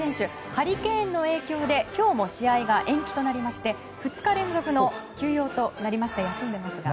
ハリケーンの影響で今日も試合が延期となりまして２日連続の休養となりました休んでますが。